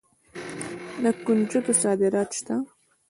د کنجدو صادرات شته.